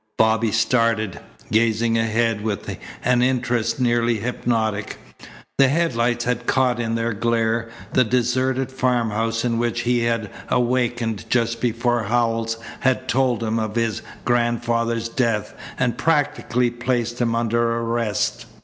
Bobby started, gazing ahead with an interest nearly hypnotic. The headlights had caught in their glare the deserted farmhouse in which he had awakened just before Howells had told him of his grandfather's death and practically placed him under arrest.